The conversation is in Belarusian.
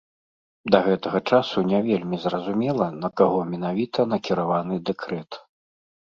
Да гэтага часу не вельмі зразумела, на каго менавіта накіраваны дэкрэт.